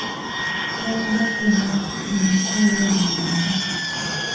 Tonjatula ye mukoweewumbe.